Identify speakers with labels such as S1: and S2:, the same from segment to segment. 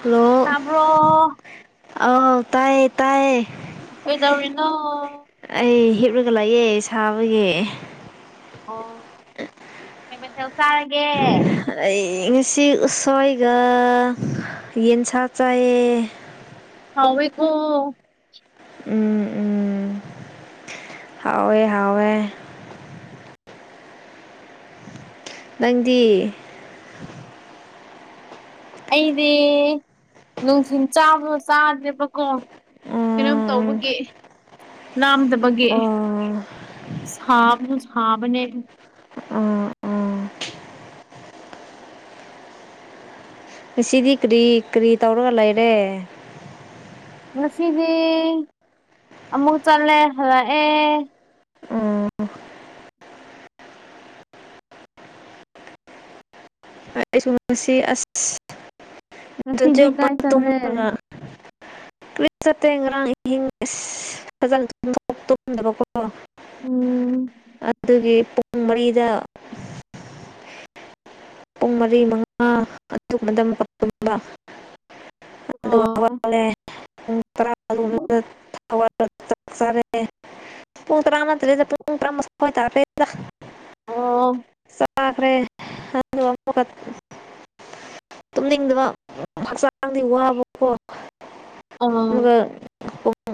S1: hello
S2: ꯇꯥꯕ꯭ꯔꯣ
S1: ꯑꯥꯎ ꯇꯥꯏꯌꯦ ꯇꯥꯏꯌꯦ
S2: ꯑꯣꯏꯣꯏꯗꯔꯤꯅ
S1: ꯑꯩ ꯍꯤꯞꯂꯒ ꯂꯥꯛꯑꯦ ꯁꯥꯕꯒꯤ
S2: ꯑꯣ ꯀꯩ ꯃꯊꯦꯜ ꯆꯥꯔꯒꯦ
S1: ꯉꯁꯤ ꯎꯁꯣꯏꯒ ꯌꯦꯟꯁꯥ ꯆꯥꯏꯑꯌꯦ
S2: ꯍꯥꯎꯕꯣ
S1: ꯎꯝ ꯎꯝ ꯍꯥꯎꯋꯦ ꯍꯥꯎꯋꯦ ꯅꯪꯗꯤ
S2: ꯑꯩꯗꯤ ꯅꯨꯡꯊꯤꯟ ꯆꯥꯕꯗꯣ ꯆꯥꯗ꯭ꯔꯦꯕꯀꯣ ꯀꯩꯅꯣꯝ
S1: ꯎꯝ
S2: ꯇꯧꯕꯒꯤ ꯂꯥꯝꯗꯕꯒꯤ
S1: ꯑꯣ ꯑꯣ
S2: ꯍꯥꯕꯁꯨ ꯍꯕꯅꯦ
S1: ꯑꯣ ꯉꯁꯤꯗꯤ ꯀꯔꯤ ꯀꯔꯤ ꯇꯧꯔꯒ ꯂꯩꯔꯦ
S2: ꯉꯁꯤꯗꯤ ꯑꯃꯨꯛ ꯆꯠꯂꯦ ꯍꯜꯂꯛꯑꯦ
S1: ꯎꯝ ꯑꯩꯁꯨꯨꯝ ꯉꯁꯤ
S2: ꯉꯁꯤꯗꯤ
S1: ꯑꯁꯣꯄ
S2: ꯀꯥꯏ ꯆꯠꯂꯦ
S1: ꯇꯨꯝꯂꯒ ꯀ꯭ꯔꯤꯁ ꯆꯇ ꯉꯔꯥꯡ ꯏꯍꯤꯡꯖ ꯑꯣꯣꯛ ꯇꯣꯡꯗꯕꯀꯣ
S2: ꯎꯝ
S1: ꯑꯗꯨꯒꯤ ꯄꯨꯡ ꯃꯔꯤꯗ ꯄꯨꯡ ꯃꯔꯤ ꯃꯉꯥ ꯑꯗꯨꯕ
S2: ꯑꯥ
S1: ꯎ ꯇꯔꯥ ꯑꯗꯨ ꯆ ꯆꯔꯦ ꯄꯨꯡ ꯇꯔꯥꯃꯊ ꯂꯩꯗ ꯄꯨꯡ ꯇꯔꯥꯃꯊꯥꯋꯥ ꯇꯔꯄ
S2: ꯑꯣ
S1: ꯄꯥꯈ꯭ꯔꯦ ꯋꯥ ꯇꯨꯝꯅꯤꯡꯗꯕ ꯍꯛꯆꯥꯡꯗꯤ ꯋꯥꯕꯀꯣ
S2: ꯑꯣ
S1: ꯑꯗꯨꯒ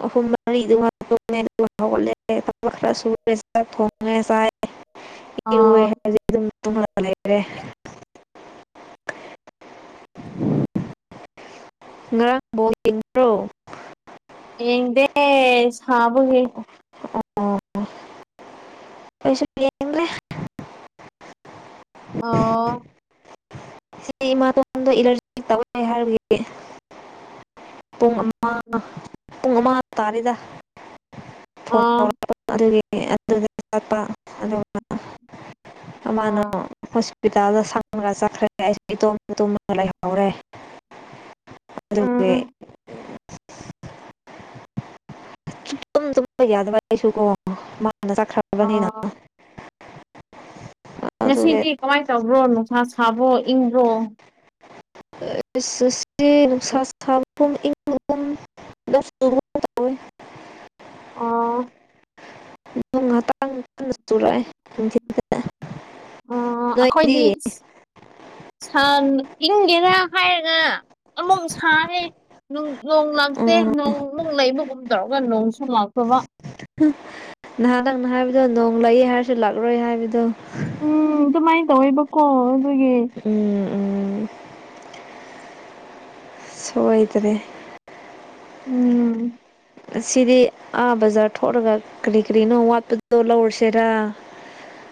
S1: ꯑꯍꯨꯝ ꯃꯔꯤꯗꯨ ꯈ ꯁꯨꯔꯦ ꯊꯣꯡꯉꯦ ꯆꯥꯏ ꯏꯔꯨꯑꯦ
S2: ꯑꯥ
S1: ꯍꯥꯏꯗꯤ ꯑꯗꯨꯝ ꯂꯩꯔꯦ ꯉꯔꯥꯡ ꯐꯕ ꯆꯟꯈ꯭ꯔꯣ
S2: ꯌꯦꯡꯗꯦ ꯁꯥꯕꯒ
S1: ꯑꯣ ꯄꯩꯁꯌꯥꯦ
S2: ꯑꯣ
S1: ꯁꯤ ꯏꯃꯥꯇꯣꯟꯗ ꯏꯂꯔꯖꯤ ꯇꯦ ꯍꯥꯏꯔꯒꯤ ꯄꯨꯡ ꯑꯃꯃꯥ ꯄꯨꯡ ꯑꯃꯃꯥ ꯇꯥꯔꯦꯗ ꯐꯣꯟ ꯇꯔ
S2: ꯑꯥ
S1: ꯑꯗꯨꯒꯤ ꯑꯗꯨꯗ ꯆꯠꯄ ꯑꯗꯨ ꯃꯥꯅ
S2: ꯑꯥ
S1: ꯍꯣꯁꯄꯤꯇꯥꯜꯗ ꯁꯥꯡꯒ ꯆꯠꯈ꯭ꯔꯦ ꯑꯩꯁ ꯏꯇꯣꯝ ꯇꯨꯝ ꯂꯩꯍꯧꯔꯦ ꯑꯗꯨꯒꯤ
S2: ꯎꯝ
S1: ꯇꯨꯝ ꯇꯨꯝꯕ ꯌꯥꯗꯕ ꯂꯩꯁꯨ ꯀꯣ ꯃꯥꯅ ꯆꯠꯈ꯭ꯔꯕꯅꯤꯅ
S2: ꯑꯥ
S1: ꯑꯗꯨꯒꯤ
S2: ꯉꯁꯤꯗꯤ ꯀꯃꯥꯏꯅ ꯇꯧꯕ꯭ꯔꯣ ꯅꯨꯡꯁꯥ ꯁꯥꯕ꯭ꯔꯣ ꯏꯪꯕ꯭ꯔꯣ
S1: ꯁꯤꯅꯨꯝ
S2: ꯑꯣ
S1: ꯑꯗꯨ ꯉꯇꯥꯡ ꯆꯨꯔꯛꯑꯦ ꯊꯤꯅ
S2: ꯎ ꯑꯩꯈꯣꯏꯗꯤ ꯏꯪꯒꯦꯅ ꯍꯥꯏꯔꯒ ꯑꯃꯨꯛ ꯁꯥꯔꯦ ꯅꯣꯡ ꯂꯥꯞꯇꯦ
S1: ꯎꯝ
S2: ꯅꯣꯡ ꯅꯨꯡ ꯂꯩꯕꯒꯨꯝ ꯇꯧꯔꯒ ꯅꯣꯡꯁꯨ ꯉꯥꯛꯇꯕ
S1: ꯅꯍꯥꯟ ꯅꯪ ꯅ ꯍꯥꯏꯕꯗꯣ ꯅꯣꯡ ꯂꯛꯏ ꯍꯥꯏꯔꯁꯨ ꯂꯥꯛꯂꯣꯏ ꯍꯥꯏꯕꯗꯣ
S2: ꯎꯝ ꯑꯗꯨꯃꯥꯏꯅ ꯇꯧꯋꯦꯕꯀꯣ ꯑꯗꯨꯒꯤ
S1: ꯎꯝ ꯎꯝ ꯁꯗ꯭ꯔꯦ
S2: ꯎꯝ
S1: ꯑꯁꯤꯗꯤ ꯑꯥ ꯕꯖꯥꯔ ꯊꯣꯛꯂꯒ ꯀꯔꯤ ꯀꯔꯤꯅꯣ ꯋꯥꯠꯄꯗꯣ ꯂꯧꯔꯁꯦꯔꯥ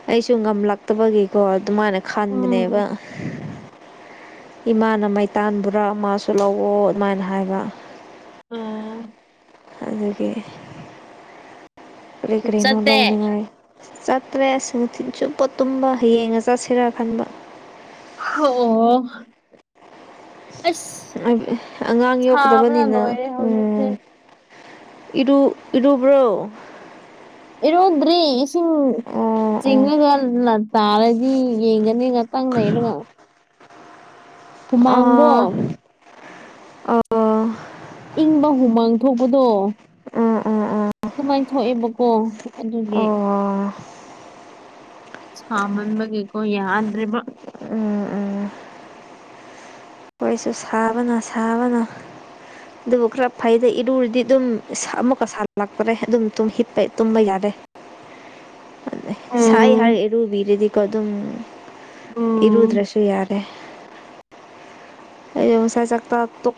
S1: ꯑꯩꯁꯨ ꯉꯝꯂꯛꯇꯕꯒꯤꯀꯣ ꯑꯗꯨꯃꯥꯏꯅ ꯈꯟꯕꯅꯦꯕ
S2: ꯎꯝ
S1: ꯏꯃꯥꯅ ꯃꯩꯇꯥꯟꯕꯨꯔꯥ ꯃꯥꯁꯨ ꯂꯧꯑꯣ ꯑꯗꯨꯃꯥꯏꯅ ꯍꯥꯏꯕ
S2: ꯑꯣ
S1: ꯑꯗꯨꯗꯒꯤ ꯂꯤꯒ꯭ꯔꯔꯤꯅꯣ
S2: ꯆꯠꯇꯦ
S1: ꯂꯧꯅꯤꯡꯉꯥꯏ ꯆꯠꯇ꯭ꯔꯦꯁꯨ ꯃꯅꯨꯡꯊꯤꯟ ꯆꯨꯞꯄꯣ ꯇꯨꯝꯕ ꯍꯌꯦꯡꯉ ꯆꯠꯁꯤꯔ ꯈꯟꯕ
S2: ꯑꯣ ꯑꯁ
S1: ꯑꯉꯥꯡ
S2: ꯁꯥꯕꯅ
S1: ꯌꯣꯛꯗꯕꯅꯤꯅ
S2: ꯂꯣꯏꯔꯦ ꯍꯧꯖꯤꯛꯁꯦ
S1: ꯎꯝ ꯏꯔꯨ ꯏꯔꯨꯕ꯭ꯔꯣ
S2: ꯏꯔꯣꯏꯗ꯭ꯔꯦ ꯏꯁꯤꯡ
S1: ꯑꯣ ꯑꯣ
S2: ꯆꯤꯡꯉꯒ ꯇꯥꯔꯗꯤ ꯌꯦꯡꯒꯅꯤ ꯇꯪꯅꯔꯉꯣ ꯍꯨꯃꯥꯡꯒ
S1: ꯑꯥ ꯑꯣ
S2: ꯏꯪꯕ ꯍꯨꯃꯥꯡ ꯊꯣꯛꯄꯗꯣ
S1: ꯎꯝ ꯎꯝ ꯎꯝ
S2: ꯑꯗꯨꯃꯥꯏꯅ ꯊꯣꯛꯑꯦꯕꯀꯣ
S1: ꯑꯣ
S2: ꯑꯗꯨꯒꯤ ꯁꯃꯟꯕꯒꯦꯀꯣ ꯌꯥꯗ꯭ꯔꯦꯕ
S1: ꯎꯝ ꯎꯝ ꯑꯩꯈꯣꯏꯁꯨ ꯁꯥꯕꯅ ꯁꯥꯕꯅ ꯑꯗꯨꯕꯨ ꯈꯔ ꯐꯩꯗ ꯏꯔꯨꯨꯔꯗꯤ ꯑꯗꯨꯝ ꯑꯃꯨꯛꯀ ꯁꯥꯜꯂꯛꯄꯔꯦ ꯑꯗꯨꯝ ꯇꯨꯝꯕ ꯌꯥꯔꯦ ꯑꯩ ꯁꯥꯏ ꯍꯥꯏ
S2: ꯎꯝ
S1: ꯏꯔꯨꯕꯤꯔꯗꯤꯀꯣ ꯑꯗꯨꯝ
S2: ꯎꯝ
S1: ꯏꯔꯨꯗ꯭ꯔꯁꯨ ꯌꯥꯔꯦ ꯑꯩ ꯉꯁꯥꯏ ꯆꯥꯛꯇꯥꯄ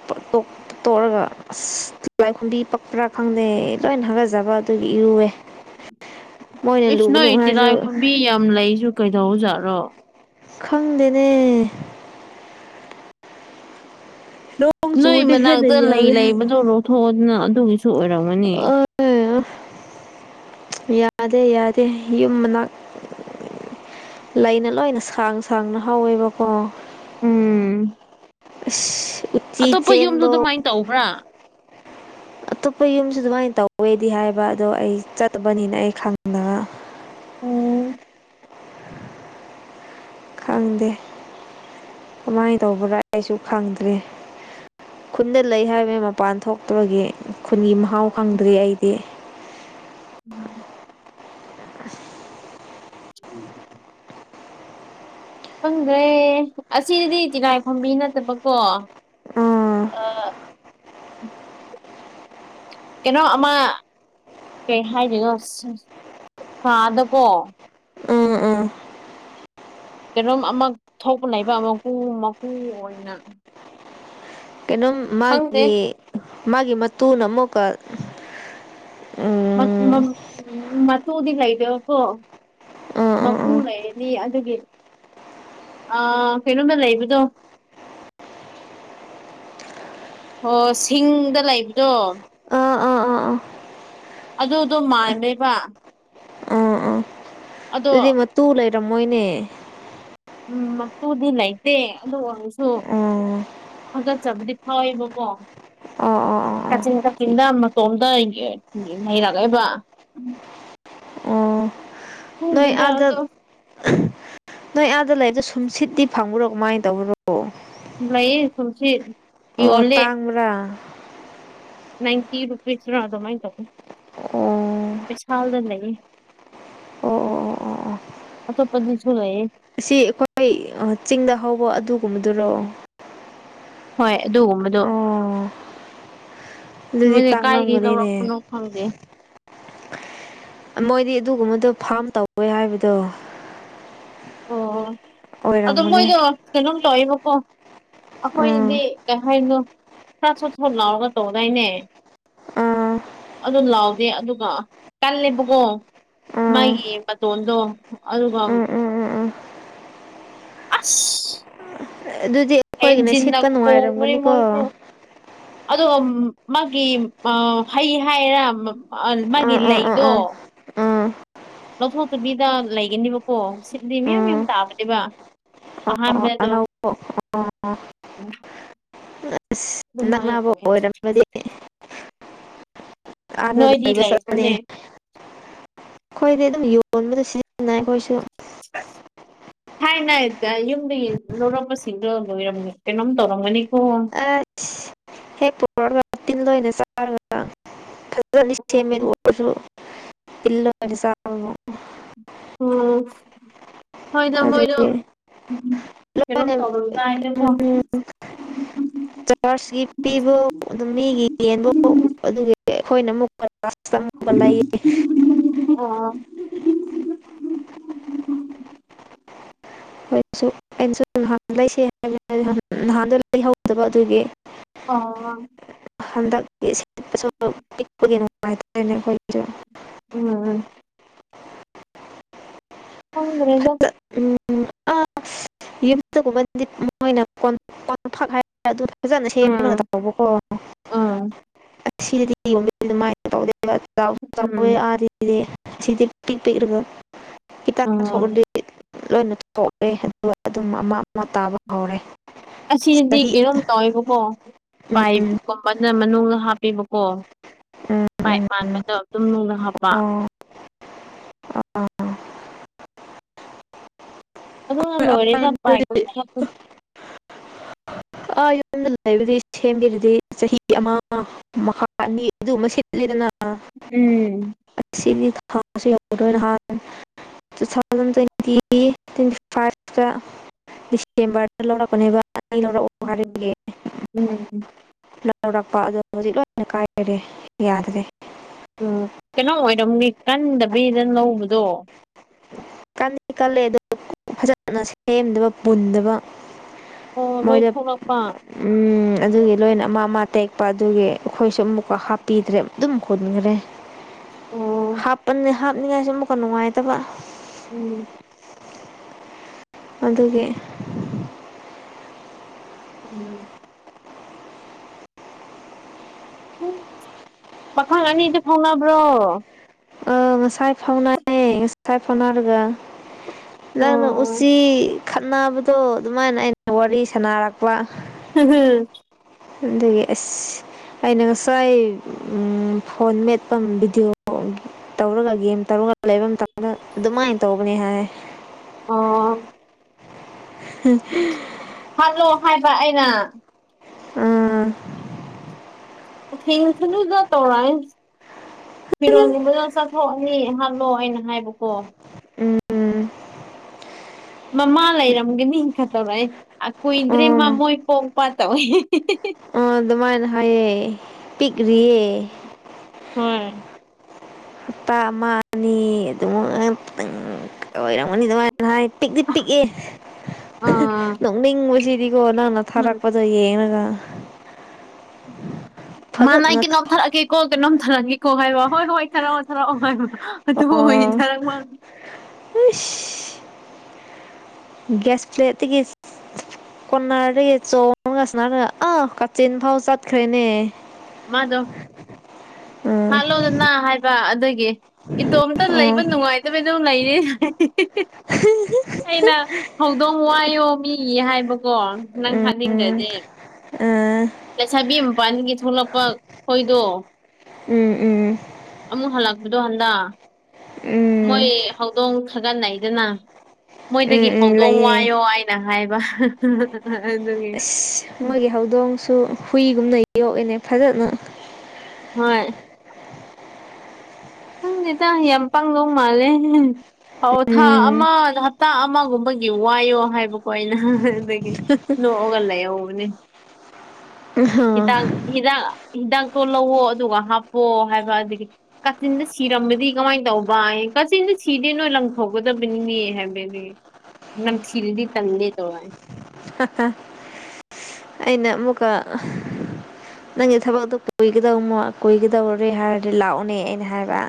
S1: ꯇꯣꯛꯑꯒ ꯑꯁꯂꯥꯏꯈꯣꯝꯕꯤ ꯄꯛꯄ꯭ꯔꯥ ꯈꯪꯗꯦ ꯂꯣꯏꯅ ꯍꯪꯒꯖꯕ ꯑꯗꯨꯒꯤ ꯏꯔꯨꯋꯦ [inaudible]
S2: ꯑꯦꯁ
S1: ꯂꯨꯒꯅꯨ
S2: ꯅꯣꯏ
S1: ꯍꯥꯏꯔꯁꯨ
S2: ꯏꯇꯤꯅꯥꯥ ꯈꯨꯝꯝꯕꯤ ꯌꯥꯝ ꯂꯩꯁꯨ ꯀꯩꯗꯧꯖꯥꯠꯔꯣ
S1: ꯈꯪꯗꯦꯅꯦ ꯅꯣꯡ
S2: ꯅꯣꯏ
S1: ꯆꯨꯔꯗꯤ ꯍꯦꯟꯅ
S2: ꯃꯅꯥꯛꯇ ꯂꯩ
S1: ꯌꯥꯝꯃꯦ ꯍꯥꯏ
S2: ꯂꯩꯕꯗꯣ ꯂꯧꯊꯣꯛꯑꯗꯅ ꯑꯗꯨꯒꯤꯁꯨ ꯑꯣꯏꯔꯝꯒꯅꯤ
S1: ꯌꯥꯗꯦ ꯌꯥꯗꯦ ꯌꯨꯝꯅꯥꯛ ꯂꯩꯅ ꯂꯣꯏꯅ ꯁꯥꯡ ꯁꯥꯡꯅ ꯍꯧꯋꯦꯕꯀꯣ
S2: ꯎꯝ
S1: ꯎꯆ ꯆꯤ ꯆꯦꯟꯕꯣ
S2: ꯕ꯭ꯔꯥ
S1: ꯑꯇꯣꯞꯄ ꯌꯨꯝꯁꯨ ꯑꯗꯨꯃꯥꯏꯅ ꯇꯧꯋꯦꯗꯤ ꯍꯥꯏꯕ ꯑꯗꯣ ꯑꯩ ꯆꯠꯇꯕꯅꯤꯅ ꯑꯩ ꯈꯪꯗꯅ
S2: ꯑꯣ
S1: ꯈꯪꯗꯦ ꯀꯃꯥꯏꯅ ꯇꯧꯕꯅꯥ ꯑꯩꯁꯨ ꯈꯪꯗ꯭ꯔꯦ ꯈꯨꯟꯗ ꯂꯩ ꯍꯥꯏꯕꯅꯤ ꯃꯄꯥꯟ ꯊꯣꯛꯇꯕꯒꯤ ꯈꯨꯟꯒꯤ ꯃꯍꯥꯎ ꯈꯪꯗ꯭ꯔꯤ ꯑꯩꯗꯤ
S2: ꯎꯝ ꯈꯪꯗ꯭ꯔꯦ ꯑꯁꯤꯗꯤ ꯇꯤꯂꯥꯏ ꯐꯝꯕꯤ ꯅꯠꯇꯕꯀꯣ
S1: ꯑꯥ
S2: ꯑ ꯀꯩꯅꯣ ꯑꯃ ꯀꯩ ꯍꯥꯏꯔꯤꯅꯣ ꯀꯥꯗꯀꯣ
S1: ꯎꯝ ꯎꯝ
S2: ꯀꯩꯅꯣꯝ ꯑꯃꯛ ꯊꯣꯛꯄ ꯂꯩꯕ ꯑꯃꯀꯨ ꯃꯀꯨ ꯑꯣꯏꯅ
S1: ꯀꯩꯅꯣꯝ
S2: ꯈꯪꯗꯦ
S1: ꯃꯥꯒꯤ ꯃꯥꯒꯤ ꯃꯇꯨꯅ ꯑꯃꯨꯛꯀ ꯎꯝ
S2: ꯎ ꯃꯗꯤ ꯀꯩꯗꯦꯕ ꯀꯣ
S1: ꯑꯥ ꯑꯥ
S2: ꯃꯄꯨ ꯂꯩꯔꯅꯤ ꯑꯗꯨꯒꯤ ꯑ ꯀꯩꯅꯣꯃ ꯂꯩꯕꯗꯣ ꯑꯣ ꯁꯤꯡꯗ ꯂꯩꯕꯗꯣ
S1: ꯑꯥ ꯑꯥ ꯑꯥ ꯑꯥ ꯑꯥ
S2: ꯑꯗꯨꯗꯣ ꯃꯃꯦꯕ
S1: ꯑꯥ ꯑꯥ
S2: ꯑꯗꯣ
S1: ꯑꯗꯨꯗꯤ ꯃꯇꯨ ꯂꯩꯔꯝꯃꯣꯏꯅꯦ
S2: ꯎꯝ ꯃꯇꯨꯗꯤ ꯂꯩꯇꯦ ꯑꯗꯨ ꯑꯣꯏꯔꯁꯨ
S1: ꯑꯣ
S2: ꯍꯥꯥꯒꯠꯆꯕꯗꯤ ꯐꯥꯎꯋꯦꯕꯀꯣ
S1: ꯑꯣ ꯑꯣ ꯑꯣ
S2: ꯀꯛꯆꯤꯟ ꯀꯛꯆꯤꯟꯗ ꯃꯇꯣꯝꯇ ꯂꯩꯩꯔꯛꯑꯕ
S1: ꯑꯣ ꯅꯣꯏ
S2: ꯈꯪꯗꯦꯗ
S1: ꯑꯗꯠ
S2: ꯑꯗꯣ
S1: ꯅꯣꯏ ꯑꯥꯗ ꯂꯩꯕꯗ ꯁꯨꯝꯁꯤꯠꯇꯤ ꯐꯪꯕ꯭ꯔꯣ ꯀꯃꯥꯏꯅ ꯇꯧꯕ꯭ꯔꯣ
S2: ꯂꯩꯌꯦ ꯁꯨꯝꯁꯤ ꯌꯣꯜꯂꯦ
S1: ꯀꯥ
S2: ꯅꯥꯏꯟꯇꯤ ꯔꯨꯄꯤꯁ꯭ꯔ ꯑꯗꯨꯃꯥꯏꯅ ꯇꯧꯦ
S1: ꯑꯣ
S2: ꯁꯥꯜꯗ ꯂꯩꯌꯦ
S1: ꯑꯣ ꯑꯣ ꯑꯣ ꯑꯣ ꯑꯣ
S2: ꯑꯇꯣꯞꯄꯗꯨꯁꯨꯂꯌꯦ
S1: ꯑꯁꯤ ꯑꯩꯈꯣꯏ ꯆꯤꯡꯗ ꯍꯧꯕ ꯑꯗꯨꯒꯨꯝꯕꯗꯨꯔꯣ
S2: ꯍꯣꯏ ꯑꯗꯨꯒꯨꯝꯕꯗꯣ
S1: ꯑꯣ ꯑꯗꯨꯗꯤ
S2: ꯃꯣꯏꯁꯦ ꯀꯥꯏꯗꯒꯤ
S1: ꯇꯥꯡꯂꯝꯒꯅꯤꯅꯦ
S2: ꯂꯧꯔꯛꯄꯅꯣ ꯍꯪꯦ
S1: ꯃꯣꯏꯗꯤ ꯑꯗꯨꯒꯨꯝꯕꯗꯣ ꯐꯥꯝ ꯇꯧꯋꯦ ꯍꯥꯏꯕꯗꯣ
S2: ꯑꯣ ꯑꯗꯣ
S1: ꯑꯣꯏꯔꯝꯒꯅꯤ
S2: ꯃꯣꯏꯗꯣ ꯁꯅꯝ ꯇꯏꯕꯀꯣ
S1: ꯎꯝ
S2: ꯑꯩꯈꯣꯏꯗꯤ ꯀꯩ ꯍꯥꯏꯅꯣ ꯈꯔ ꯁꯣꯠꯊꯣꯛ ꯂꯥꯎꯔꯒ ꯇꯧꯗꯥꯏꯅꯦ
S1: ꯑꯥ
S2: ꯑꯗꯨ ꯂꯥꯎꯗꯦ ꯑꯗꯨꯒ ꯀꯜꯂꯦꯕꯀꯣ
S1: ꯑꯥ
S2: ꯃꯥꯒꯤ ꯃꯇꯣꯟꯗꯣ ꯑꯗꯨꯒ
S1: ꯎꯝ ꯎꯝ ꯎꯝ ꯎꯝ
S2: [unintelligible]
S1: ꯑꯗꯨꯗꯤ ꯑꯩꯈꯣꯏꯒꯤꯅ
S2: ꯍꯦꯟꯖꯤꯟꯅ
S1: ꯁꯤꯠꯄ ꯅꯨꯡꯉꯥꯏꯔꯝꯒꯅꯤꯀꯣ
S2: ꯑꯗꯣ ꯃꯥꯒꯤ ꯍꯩ ꯍꯥꯏꯔꯥ ꯃꯥꯒꯤ
S1: ꯑꯥ ꯑꯥ ꯑꯥ
S2: ꯂꯩꯗꯣ
S1: ꯑꯥ ꯎꯝ
S2: ꯂꯧꯊꯣꯛꯇꯕꯤꯗ ꯂꯩꯒꯅꯦꯕꯀꯣ ꯁꯤꯗꯤ ꯃꯌꯥꯝ
S1: ꯎꯝ
S2: ꯌꯥꯝ ꯇꯥꯕꯅꯦꯕ ꯑꯍꯃꯦꯗꯣ
S1: ꯑ
S2: ꯑꯣ
S1: ꯑꯁ ꯅꯛꯅꯕ
S2: ꯑꯣꯏ
S1: ꯑꯣꯏꯔꯝꯃꯗꯤ ꯑꯥꯗ
S2: ꯅꯣꯏꯗꯤ
S1: ꯂꯩꯕ ꯆꯠꯂꯦ
S2: ꯂꯩꯕ꯭ꯔꯅꯦ
S1: ꯑꯩꯈꯣꯏꯗꯤ ꯑꯗꯨꯝ ꯌꯣꯟꯕꯗ ꯁꯤꯖꯤꯟꯅꯩ ꯑꯩꯈꯣꯏꯁꯨ
S2: [unintelligible] ꯊꯥꯏꯅ ꯌꯨꯝꯗꯒꯤ ꯂꯧꯔꯛꯄꯁꯤꯡꯗꯣ ꯂꯣꯏꯔꯝ ꯀꯩꯅꯣꯝ ꯇꯧꯔꯝꯒꯅꯤꯀꯣ
S1: ꯑ ꯍꯦꯛ [unintelligible] ꯇꯤꯟ ꯂꯣꯏꯅ [unintelligible] [unintelligible]
S2: ꯎꯝ ꯍꯣꯏꯗ ꯃꯣꯏꯗꯣ
S1: ꯑꯗꯨꯒꯤ
S2: ꯎꯝ ꯀꯩꯅꯣꯝ
S1: ꯂꯣꯏꯅ
S2: ꯇꯧꯔꯝꯗꯥꯏꯗꯀꯣ
S1: [unintelligible] ꯆꯔꯖꯀꯤ ꯄꯤꯕ ꯑꯗꯨꯝ ꯃꯤꯒꯤ ꯌꯦꯟꯕꯨ ꯑꯗꯨꯒꯤ ꯑꯩꯈꯣꯏꯅ ꯑꯃꯨꯛ [unintelligible] ꯂꯩꯌꯦ
S2: ꯑꯣ
S1: ꯍꯣꯏꯁꯨ ꯑꯩꯅꯁꯨ ꯅꯍꯥꯟ ꯂꯩꯁꯦ ꯍꯥꯏꯕ ꯅꯍꯥꯟꯗꯣ ꯂꯩꯍꯧꯗꯕ ꯑꯗꯨꯒꯤ
S2: ꯑꯣ
S1: ꯍꯟꯗꯛꯤ ꯁꯤꯠꯄꯁꯨ ꯄꯤꯛꯄꯒꯤ ꯅꯨꯡꯉꯥꯏꯇꯦ [unintelligible]
S2: ꯎꯝ ꯈꯪꯗ꯭ꯔꯦꯗ
S1: ꯎꯝ ꯑꯥ ꯌꯨꯝꯗꯒꯨꯝꯕꯗꯤ ꯃꯣꯏꯅ [unintelligible] ꯐꯖꯅ ꯁꯦꯝꯅ
S2: ꯎꯝ
S1: ꯇꯧꯕꯀꯣ
S2: ꯎꯝ
S1: ꯑꯁꯤ ꯁꯤꯗꯗꯤ [unintelligible] ꯑꯗꯨꯃꯥꯏꯅ
S2: ꯎꯝ
S1: [unintelligible] ꯄꯤꯛ ꯄꯤꯛꯂꯒ
S2: ꯎꯝ
S1: [unintelligible] ꯂꯣꯏꯅ ꯁꯣꯛꯑꯦ ꯑꯗꯨꯒ ꯑꯗꯨꯝ ꯑꯃ ꯑꯃ ꯇꯥꯕ ꯍꯧꯔꯦ
S2: ꯑꯁꯤꯗꯗꯤ
S1: ꯆꯍꯤ
S2: ꯀꯩꯅꯣꯝ ꯇꯧꯋꯦꯕꯀꯣ ꯄꯥꯏ
S1: ꯎꯝ
S2: ꯀꯨꯝꯕꯅ ꯃꯅꯨꯡꯗ ꯍꯥꯞꯄꯤꯕꯀꯣ ꯄꯥꯏꯞ
S1: ꯎꯝ ꯎꯝ
S2: ꯃꯥꯟꯕꯗꯣ ꯑꯗꯨꯝ ꯅꯨꯡꯅ ꯍꯥꯞꯄ
S1: ꯑꯣ ꯑꯥ
S2: ꯑꯗꯨꯂ
S1: ꯍꯣꯏ
S2: ꯂꯣꯏꯔꯦ
S1: ꯑꯗꯨꯗꯤ
S2: [unintelligible]
S1: ꯑꯥ ꯌꯨꯝꯗ ꯂꯩꯕꯗꯤ ꯁꯦꯝꯕꯤꯔꯗꯤ ꯆꯍꯤ ꯑꯃ ꯃꯈꯥ ꯑꯅꯤ ꯑꯗꯨ ꯑꯃ ꯁꯤꯠꯂꯦꯗꯅ
S2: ꯎꯝ
S1: ꯑꯁꯤ [unintelligible] two thousand twenty twenty five ꯗ ꯗꯤꯁꯦꯝꯕꯥꯔꯗ ꯂꯧꯔꯛꯄꯅꯦꯕ ꯑꯅꯤ ꯂꯧꯔꯛꯑꯣ
S2: ꯎꯝ
S1: ꯍꯥꯏꯕꯒꯤ
S2: ꯎꯝ
S1: ꯂꯧꯔꯛꯄ ꯑꯗꯣ ꯍꯧꯖꯤꯛ ꯂꯣꯏꯅ ꯀꯥꯏꯈꯔꯦ ꯌꯥꯗ꯭ꯔꯦ
S2: ꯎꯝ ꯀꯩꯅꯣ ꯑꯣꯏꯔꯝꯅꯤ ꯀꯟꯗꯕꯤꯗ ꯂꯧꯕꯗꯣ
S1: ꯀꯟꯗꯤ ꯀꯜꯂꯦ ꯑꯗꯨ ꯐꯖꯅ ꯁꯦꯝꯗꯕ ꯄꯨꯟꯗꯕ
S2: ꯑꯣ
S1: ꯃꯣꯏꯗ
S2: ꯅꯣꯏꯊꯣꯂꯛꯄ
S1: ꯎꯝ ꯑꯗꯨꯒꯤ ꯂꯣꯏꯅ ꯑꯃ ꯑꯃ ꯇꯦꯛꯄ ꯑꯗꯨꯒꯤ ꯑꯩꯈꯣꯏꯁꯨ
S2: ꯑꯣ
S1: ꯑꯃꯨꯛꯀ ꯍꯥꯞꯄ ꯄꯤꯗ꯭ꯔꯦ ꯑꯗꯨꯝ ꯍꯨꯟꯈ꯭ꯔꯦ ꯍꯥꯞꯄꯅꯦ ꯍꯥꯄꯅꯤꯡꯉꯥꯏꯁꯨ ꯑꯃꯨꯛꯀ ꯅꯨꯡꯉꯥꯏꯇꯕ
S2: ꯎꯝ
S1: ꯑꯗꯨꯒꯤ
S2: ꯎꯝ ꯎꯝ ꯄꯥꯈꯪ ꯑꯅꯤꯗꯤ ꯐꯥꯎꯅꯕ꯭ꯔꯣ
S1: ꯑ ꯉꯁꯥꯏ ꯐꯥꯎꯅꯩ ꯉꯁꯥꯏ ꯐꯥꯎꯅꯔꯒ ꯅꯪꯅ
S2: ꯑꯣ
S1: ꯎꯆꯤ ꯈꯠꯅꯕꯗꯣ ꯑꯗꯨꯃꯥꯏꯅ ꯑꯩꯅ ꯋꯥꯔꯤ ꯁꯥꯟꯅꯔꯛꯄ
S2: ꯍꯝ ꯍꯝ
S1: ꯑꯗꯨꯒꯤ ꯑꯁ ꯑꯩꯅ ꯉꯁꯥꯏ ꯎꯝ ꯐꯣꯟ ꯃꯦꯠꯄ ꯕꯤꯗꯤꯑꯣ ꯑꯃ ꯎ [unintelligible] ꯇꯧꯔꯒ ꯒꯦꯝ ꯇꯧꯔꯒ ꯂꯩꯕ ꯃꯇꯝꯗ ꯑꯗꯨꯃꯥꯏꯅ ꯇꯧꯕꯅꯦ ꯍꯥꯏ
S2: ꯑꯣ
S1: [unintelligible]
S2: ꯍꯥꯠꯂꯣ ꯍꯥꯏꯕ ꯑꯩꯅ
S1: ꯎꯝ
S2: [unintelligible] ꯇꯧꯔꯥꯏꯟ ꯐꯤꯔꯣꯜ ꯒꯨꯝꯕꯗꯣ ꯆꯥꯊꯣꯛꯑꯅꯤ ꯍꯥꯠꯂꯣ ꯑꯩꯅ ꯍꯥꯏꯕꯀꯣ
S1: ꯎꯝ ꯎꯝ
S2: ꯃꯃꯥ ꯂꯩꯔꯝꯒꯅꯤ ꯈꯠꯇꯧꯔꯏ ꯑ ꯀꯨꯏꯗ꯭ꯔꯤ
S1: ꯎꯝ
S2: ꯃꯃꯣꯏ ꯄꯣꯛꯄꯥ ꯇꯧꯋꯤ
S1: ꯑ ꯑꯗꯨꯃꯥꯏꯅ ꯍꯥꯏꯌꯦ ꯄꯤꯛꯔꯤꯌꯦ
S2: ꯍꯣꯏ
S1: ꯍꯞꯇꯥ ꯑꯃ ꯑꯅꯤ ꯑꯗꯨꯃꯥꯏꯟꯇꯪ ꯑꯣꯏꯔꯝꯒꯅꯤ ꯑꯗꯨꯃꯥꯏꯅ ꯍꯥꯏ ꯄꯤꯛꯇꯤ ꯄꯤꯛꯑꯦ
S2: ꯑꯥ
S1: ꯅꯣꯛꯅꯤꯡꯕꯁꯤꯗꯤꯀꯣ ꯅꯪꯅ
S2: ꯎꯝ
S1: ꯊꯥꯔꯛꯄ ꯗꯣ ꯌꯦꯡꯉꯒ
S2: ꯃꯅꯥꯏ
S1: ꯐꯖꯅ
S2: ꯀꯩꯅꯣꯝ ꯊꯔꯛꯑꯒꯦꯀꯣ ꯀꯩꯅꯣꯝ ꯊꯔꯛꯑꯒꯦ ꯀꯣ ꯍꯥꯏꯕ ꯍꯣꯏ ꯍꯣꯏ ꯊꯥꯔꯛꯑꯣ ꯊꯥꯔꯛꯑꯣ ꯍꯥꯏꯕ ꯑꯗꯨꯕꯨ ꯑꯣꯏꯅꯤ ꯊꯔꯛ
S1: ꯋꯨꯏꯁ ꯒꯦꯁꯄ꯭ꯂꯦꯠꯇꯒꯤꯁ ꯀꫭꯅꯥꯔꯗꯒꯤ ꯆꯣꯡꯉꯒ ꯁꯨꯃꯥꯏꯅ ꯑꯥ ꯀꯥꯆꯤꯟ ꯐꯥꯎ ꯆꯠꯈ꯭ꯔꯦꯅꯦ
S2: ꯃꯥꯗꯣ
S1: ꯎꯝ
S2: ꯍꯥꯂꯣꯗꯅ ꯍꯥꯏꯕ ꯑꯗꯨꯏ ꯒꯤ ꯏꯇꯣꯝꯇ
S1: ꯎꯝ
S2: ꯂꯩꯕ ꯅꯨꯡꯉꯥꯏꯇꯕꯩꯗꯨꯝ ꯂꯩꯔꯤ ꯑꯩꯅ ꯍꯧꯗꯣꯡ ꯋꯥꯏꯌꯣ ꯃꯤ ꯍꯥꯏꯕꯀꯣ ꯅꯪ ꯍꯥꯠꯅꯤꯡꯗꯗꯤ
S1: [unintelligible]
S2: ꯂꯩꯁꯥꯕꯤ ꯃꯄꯥꯟꯗꯒꯤ ꯊꯣꯛꯂꯛꯄ ꯈꯣꯏꯗꯣ
S1: ꯎꯝ ꯎꯝ
S2: ꯑꯃꯨꯛ ꯍꯜꯂꯛꯄꯗꯣ ꯍꯟꯗ
S1: ꯎꯝ
S2: ꯃꯣꯏ ꯍꯧꯗꯣꯡ ꯊꯥꯒꯠꯅꯩꯗꯅ
S1: ꯎꯝ
S2: ꯃꯣꯏꯗꯒꯤ
S1: ꯎꯝ
S2: ꯍꯧꯗꯣꯡ
S1: ꯂꯩꯌꯦ
S2: ꯋꯥꯏꯌꯣ ꯍꯥꯏ ꯅ ꯍꯥꯏꯕ ꯑꯗꯨꯒꯤ
S1: [unintelligible] ꯃꯣꯏꯒꯤ ꯍꯧꯗꯣꯡꯁꯨ ꯍꯨꯏꯒꯨꯝꯅ ꯌꯣꯛꯏꯅꯦ ꯐꯖꯅ
S2: ꯍꯣꯏ ꯈꯪꯗꯦꯗ ꯌꯥꯝ ꯄꯪꯗꯧ ꯃꯥꯜꯂꯦ ꯑꯣ ꯊꯥ
S1: ꯎꯝ
S2: ꯑꯃ ꯍꯞꯇꯥ ꯑꯃꯒꯨꯝꯕ ꯒꯤ ꯋꯥꯏꯌꯣ ꯍꯥꯏꯕꯀꯣ ꯑꯩꯅ ꯑꯗꯒꯤ
S1: [unintelligible]
S2: ꯅꯣꯛꯑꯒ ꯂꯩꯍꯧꯕꯅꯦ ꯍꯤꯗꯥꯛ ꯍꯤꯗꯥꯛ ꯍꯤꯗꯥꯛꯇꯣ ꯂꯧꯋꯣ ꯑꯗꯨꯒ ꯍꯥꯞꯄꯣ ꯍꯥꯏꯕ ꯑꯗꯒꯤ ꯀꯥꯆꯤꯟꯗ ꯁꯤꯔꯝꯕꯗꯤ ꯀꯃꯥꯏꯟ ꯇꯧꯕ ꯑꯌꯦ ꯀꯥꯆꯤꯟꯗ ꯁꯤꯗꯦ ꯅꯣꯏ ꯂꯪꯊꯣꯛꯒꯗꯕꯅꯤꯅꯦ ꯍꯥꯏꯕ [unintelligible] ꯅꯝꯊꯤꯔꯗꯤ ꯇꯜꯂꯦ ꯇꯧꯋꯥꯏ
S1: [unintelligible] ꯑꯩꯅ ꯑꯃꯨꯛꯀ ꯅꯪꯒꯤ ꯊꯕꯛꯇꯣ ꯀꯨꯏꯒꯗꯧ ꯀꯨꯏꯒꯗꯧꯔꯦ ꯍꯥꯏꯔꯗꯤ ꯂꯥꯛꯑꯣꯅꯦ ꯑꯩꯅ ꯍꯥꯏꯕ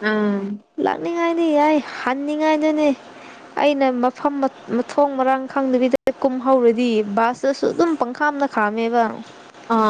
S2: ꯎꯝ
S1: ꯂꯥꯛꯅꯤꯡꯉꯥꯏꯗꯤ ꯌꯥꯏ ꯍꯟꯅꯤꯡꯉꯥꯏꯗꯨꯅꯦ ꯑꯩꯅ ꯃꯐꯝ ꯃ ꯃꯊꯣꯡ ꯃꯔꯥꯡ ꯈꯪꯗꯕꯤꯗ ꯀꯨꯝꯍꯧꯔꯗꯤ ꯕꯥꯁꯇꯨꯁꯨ ꯑꯗꯨꯝ ꯄꯪꯈꯥꯝꯗ ꯈꯥꯝꯃꯦꯕ
S2: ꯑꯥ